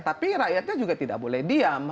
tapi rakyatnya juga tidak boleh diam